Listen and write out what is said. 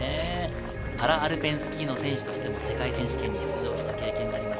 パラアルペンスキーの選手として世界選手権に出場した経験があります。